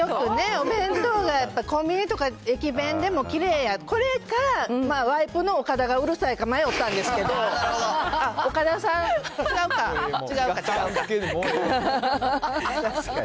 お弁当がやっぱコンビニとか駅弁でもきれいや、これか、ワイプの岡田がうるさいか迷ったんですけど、岡田さん、違うか、確かに。